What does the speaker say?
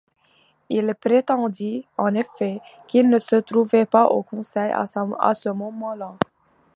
Il prétendit, en effet, qu'il ne se trouvait pas au conseil à ce moment-là.